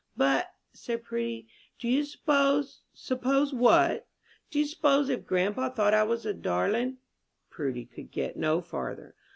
"But," said Prudy, "do you s'pose " "S'pose what?" "Do you s'pose if grandpa thought I was a darlin' " Prudy could get no farther.